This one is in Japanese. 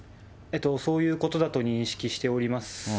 そういうことだと認識しております。